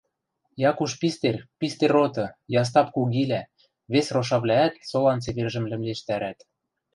Якуш пистер, пистер оты, Ястап кугилӓ, вес рошавлӓӓт солан цевержӹм лӹмлештӓрӓт.